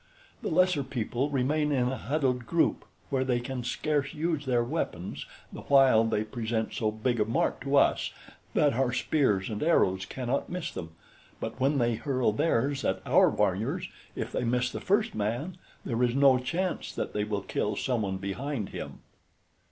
"The lesser people remain in a huddled group where they can scarce use their weapons the while they present so big a mark to us that our spears and arrows cannot miss them; but when they hurl theirs at our warriors, if they miss the first man, there is no chance that they will kill some one behind him.